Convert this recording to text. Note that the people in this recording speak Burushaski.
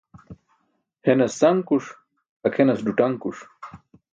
Henas sankuṣ, akʰenas ḍuṭaṅkuṣ.